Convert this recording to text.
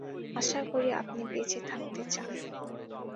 আশা করি আপনি বেঁচে থাকতে চান?